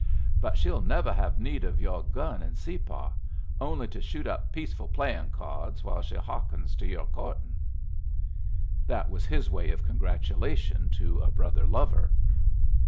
"But she'll never have need of your gun in Separ only to shoot up peaceful playin' cyards while she hearkens to your courtin'." That was his way of congratulation to a brother lover.